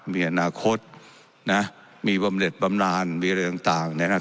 มีอนาคตนะมีบำเน็ตบำลานมีอะไรต่างต่างนะครับ